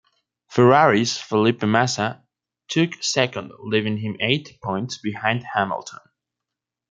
Ferrari's Felipe Massa took second leaving him eight points behind Hamilton.